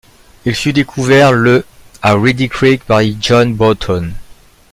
Il fut découvert le à Reedy Creek par John Broughton.